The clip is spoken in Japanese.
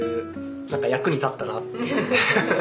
なんか役に立ったなっていうフフフ。